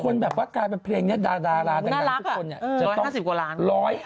คนกูฟังว่าการเป็นเพลงนี้ดาราในนักทุกคนอยากฟัง